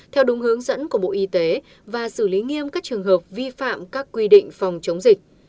theo đúng hướng dẫn của bộ y tế và xử lý nghiêm các trường hợp vi phạm các quy định phòng chống dịch